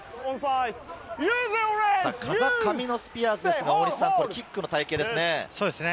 風上のスピアーズですが、キックの隊形ですね。